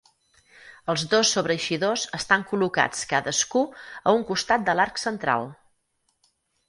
Els dos sobreeixidors estan col·locats cadascú a un costat de l'arc central.